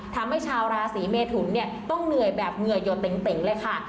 ทำให้ชาวราศีเมทุนเนี่ยต้องเหนื่อยแบบเหงื่อหยดเต๋งเลยค่ะ